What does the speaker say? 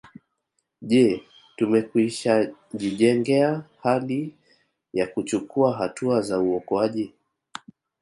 Je tumekwishajijengea hali ya kuchukua hatua za uokoaji